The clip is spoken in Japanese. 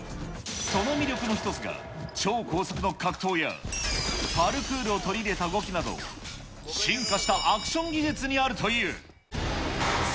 その魅力の１つが、超高速の格闘や、パルクールを取り入れた動きなど、進化したアクション技術にあるという。